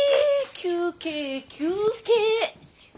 休憩休憩。